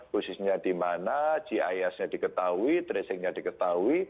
posisinya di mana gisnya diketahui tracingnya diketahui